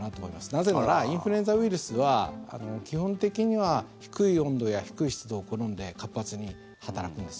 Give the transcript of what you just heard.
なぜならインフルエンザウイルスは基本的には低い温度や低い湿度を好んで活発に働くんです。